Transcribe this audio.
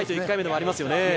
１回目ではありますよね。